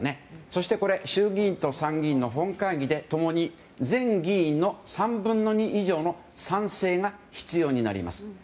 そして衆議院と参議院の本会議で共に全議員の３分の２以上の賛成が必要になります。